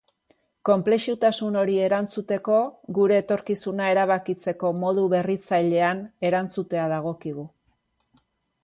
Konplexutasun honi erantzuteko, gure etorkizuna erabakitzeko modu berritzailean erantzutea dagokigu.